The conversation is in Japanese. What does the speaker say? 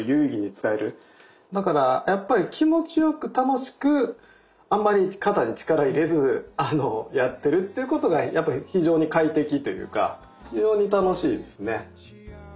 だからやっぱり気持ちよく楽しくあんまり肩に力入れずやってるっていうことがやっぱり非常に快適というか非常に楽しいですね。